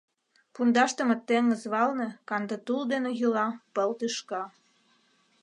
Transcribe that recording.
Пундашдыме теҥыз валне канде тул дене йӱла пыл тӱшка.